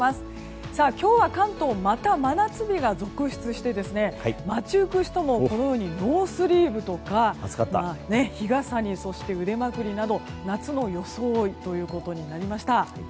今日は関東また真夏日が続出して街行く人もノースリーブとか日傘に腕まくりなど夏の装いとなりました。